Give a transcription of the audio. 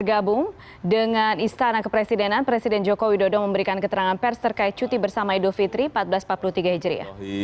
bergabung dengan istana kepresidenan presiden joko widodo memberikan keterangan pers terkait cuti bersama idul fitri seribu empat ratus empat puluh tiga hijriah